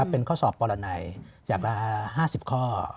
เป็นข้อสอบปรณัยอย่างละ๕๐ข้อ